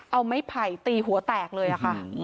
เอาไม้ไผ่ตีหัวแตกเลยค่ะ